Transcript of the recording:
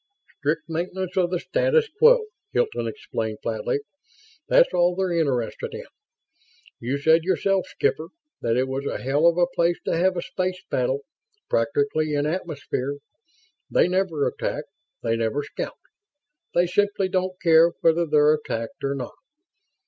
"Strict maintenance of the status quo," Hilton explained, flatly. "That's all they're interested in. You said yourself, Skipper, that it was a hell of a place to have a space battle, practically in atmosphere. They never attack. They never scout. They simply don't care whether they're attacked or not.